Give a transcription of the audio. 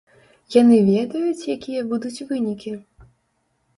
Яны ведаюць, якія будуць вынікі?